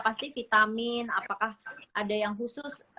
pasti vitamin apakah ada yang khusus